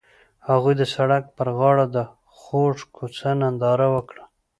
هغوی د سړک پر غاړه د خوږ کوڅه ننداره وکړه.